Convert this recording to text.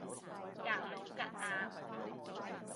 格鲁吉亞